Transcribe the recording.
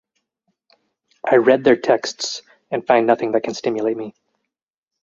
I read their texts and find nothing that can stimulate me.